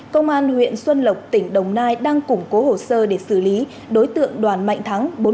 công an huyện xuân lộc tỉnh đồng nai đang củng cố hồ sơ để xử lý đối tượng đoàn mạnh thắng